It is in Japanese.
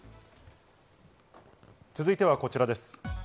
続いてはこちらです。